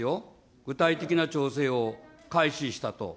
具体的な調整を開始したと。